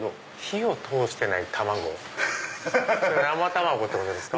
生卵ってことですか？